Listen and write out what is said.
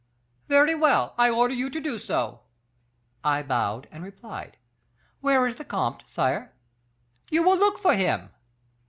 "'Very well; I order you to do so.' "I bowed, and replied, 'Where is the comte, sire?' "'You will look for him.